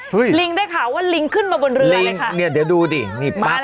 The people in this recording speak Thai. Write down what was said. ลิงได้ข่าวว่าลิงขึ้นมาบนเรือเลยค่ะเนี่ยเดี๋ยวดูดินี่ปั๊บ